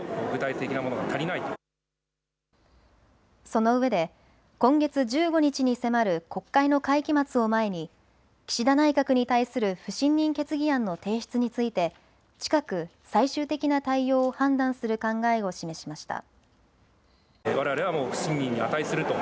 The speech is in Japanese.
そのうえで今月１５日に迫る国会の会期末を前に岸田内閣に対する不信任決議案の提出について近く最終的な対応を判断する考えを示しました。